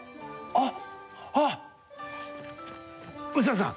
あっ！